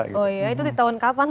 itu di tahun kapan